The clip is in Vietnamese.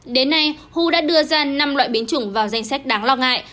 đến nay who đã đưa ra năm loại biến chủng vào danh sách đáng lo ngại